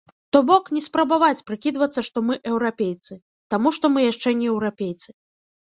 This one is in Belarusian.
То бок, не спрабаваць прыкідвацца, што мы еўрапейцы, таму што мы яшчэ не еўрапейцы.